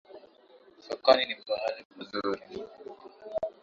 Sokoni ni pahali pazuri